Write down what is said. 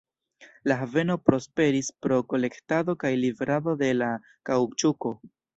La haveno prosperis pro kolektado kaj liverado de kaŭĉuko.